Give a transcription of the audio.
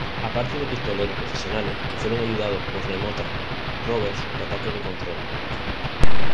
Aparte de pistoleros profesionales, que fueron ayudados por remotas rovers de ataque de control.